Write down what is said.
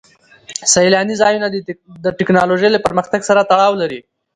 سیلاني ځایونه د تکنالوژۍ له پرمختګ سره تړاو لري.